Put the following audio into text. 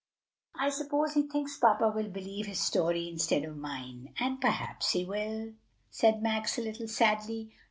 "I suppose he thinks papa will believe his story instead of mine; and perhaps he will," said Max a little sadly.